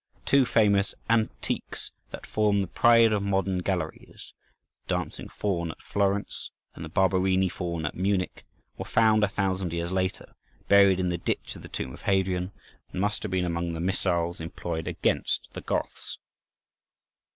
Two famous antiques, that form the pride of modern galleries—the "Dancing Faun" at Florence, and the "Barberini Faun" at Munich—were found, a thousand years later, buried in the ditch of the tomb of Hadrian, and must have been among the missiles employed against the Goths.